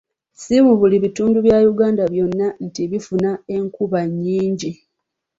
Si buli bitundu bya Uganda byonna nti bifuna enkuba nnyingi.